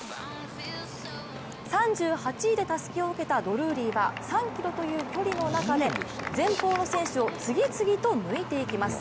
３８位でたすきを受けたドルーリーは３ｋｍという距離の中で前方の選手を次々と抜いていきます。